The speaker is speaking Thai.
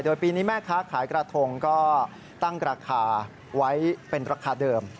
โดยปีนี้แม่ค้าขายกระทงก็ตั้งราคาไว้เป็นราคาเดิม